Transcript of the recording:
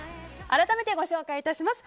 改めてご紹介致します。